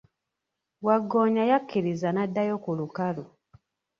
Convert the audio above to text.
Waggoonya yakiriza n'addayo ku lukalu.